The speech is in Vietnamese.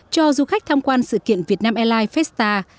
cho du khách tham quan sự kiện việt nam airlines festa